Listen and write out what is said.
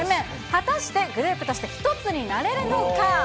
果たしてグループとして一つになれるのか。